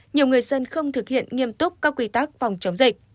nhiều người dân không thực hiện nghiêm túc các quy tắc phòng chống dịch